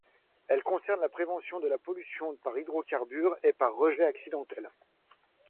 Elle concerne la prévention de la pollution par hydrocarbures et par rejets accidentels.